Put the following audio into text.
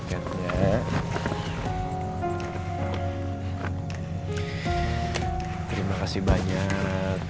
terima kasih banyak